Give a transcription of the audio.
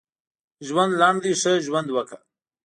ژوند لنډ دی ښه ژوند وکړه.